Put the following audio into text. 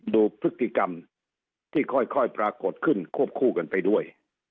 ดูพฤติกรรมที่ค่อยปรากฏขึ้นควบคู่กันไปด้วย